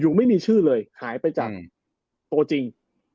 อยู่ไม่มีชื่อเลยหายไปจาก่มโตจริง